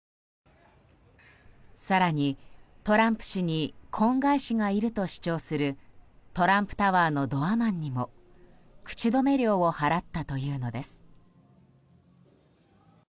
更に、トランプ氏に婚外子がいると主張するトランプタワーのドアマンにも口止め料を払ったというのです。